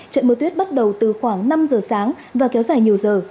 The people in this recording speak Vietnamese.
trận mưa tuyết bắt đầu từ khoảng năm giờ sáng và kéo dài nhiều giờ